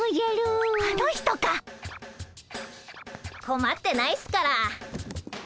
こまってないっすから。